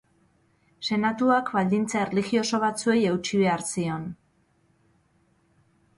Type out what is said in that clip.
Senatuak baldintza erlijioso batzuei eutsi behar zion.